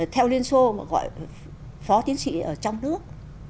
theo liên xô mà gọi phó tiến sĩ ở trong nước